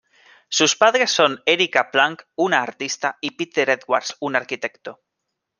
Sus padres son Erika Planck, una artista, y Peter Edwards, un arquitecto.